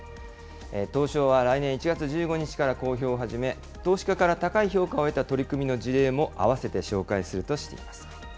東証は来年１月１５日から公表を始め、投資家から高い評価を得た取り組みの事例も合わせて紹介するとしています。